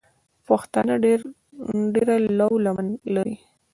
پښتانه ډېره لو لمن لري.